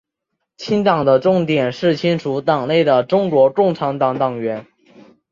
清党的重点是清除党内的中国共产党党员。